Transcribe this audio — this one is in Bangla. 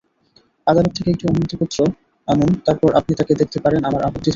আদালত থেকে একটি অনুমতিপত্র আনুন তারপর আপনি তাকে দেখতে পারেন আমার আপত্তি থাকবে না।